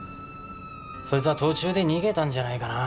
そいつは途中で逃げたんじゃないかな。